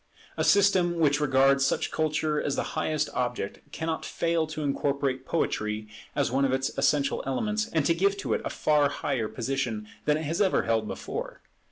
A system which regards such culture as the highest object cannot fail to incorporate Poetry as one of its essential elements, and to give to it a far higher position than it has ever held before.